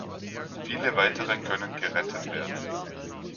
Viele weitere können gerettet werden.